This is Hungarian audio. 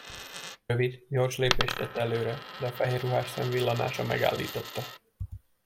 Rövid, gyors lépést tett előre, de a fehér ruhás szemvillanása megállította.